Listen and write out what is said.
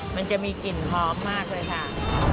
มันจะมีกลิ่นหอมมากเลยค่ะ